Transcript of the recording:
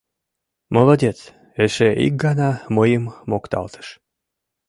«Молодец!» — эше ик гана мыйым мокталтыш.